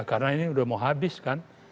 karena ini udah mau habis kan